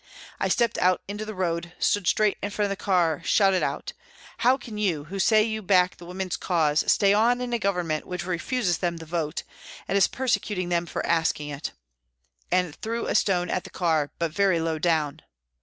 I stepped out into the road, stood straight in front of the car, shouted out " How can you, who say you back the women's cause, stay on in a Government which refuses them the vote, and is persecuting them for asking it," and threw a stone at the car, but very low down.